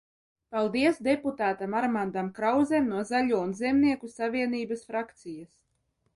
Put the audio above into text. Paldies deputātam Armandam Krauzem no Zaļo un Zemnieku savienības frakcijas.